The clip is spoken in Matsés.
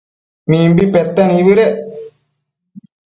Mimbi pete nibëdec